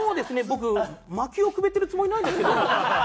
僕まきをくべてるつもりないですけど。